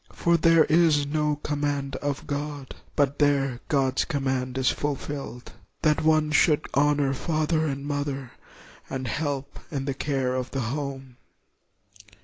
For here there is no command of God, but there God's command is fulfilled, that one should honor father and mother and help in the care of the home.''